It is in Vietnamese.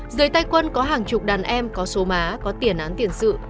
dưới tay quân có hàng chục đàn em có số má có tiền án tiền sự